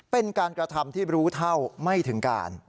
เป็นการกระทำที่รู้เท่าไม่ถึงการ